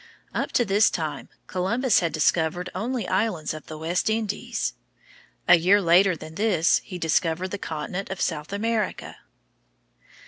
Up to this time, Columbus had discovered only islands of the West Indies. A year later than this he discovered the continent of South America.